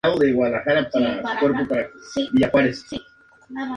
Es el extremo sudoeste de Kentucky.